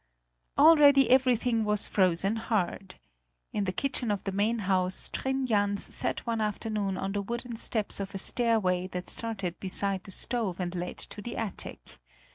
Already everything was frozen hard. In the kitchen of the main house Trin Jans sat one afternoon on the wooden steps of a stairway that started beside the stove and led to the attic.